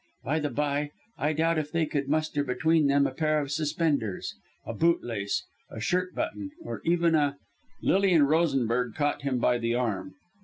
By the bye, I doubt if they could muster between them a pair of suspenders a bootlace a shirt button, or even a " Lilian Rosenberg caught him by the arm.